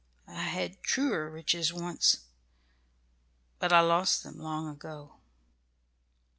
I had truer riches once, but I lost them long ago."